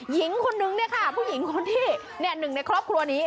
หญิงคนนึงพวกหญิงคนนั้นที่๑ในครอบครัวนี้